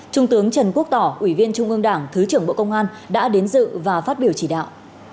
trung tướng trần quốc tỏ ủy viên trung ương đảng thứ trưởng bộ công an đã đến dự và phát biểu chỉ đạo